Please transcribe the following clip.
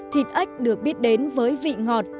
thịt ếch được biết đến với vị ngọt